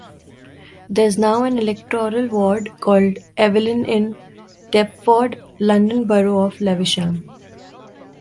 There is now an electoral ward called Evelyn in Deptford, London Borough of Lewisham.